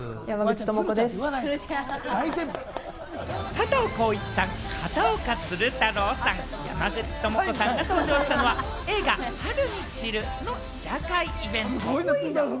佐藤浩市さん、片岡鶴太郎さん、山口智子さんが登場したのは、映画『春に散る』の試写会イベント。